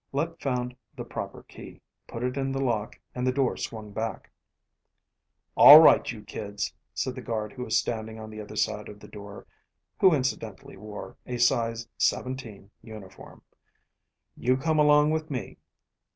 Let found the proper key, put it in the lock, and the door swung back. "All right, you kids," said the guard who was standing on the other side of the door (who incidentally wore a size seventeen uniform), "you come along with me."